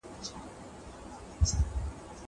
زه به سبا شګه پاک کړم!!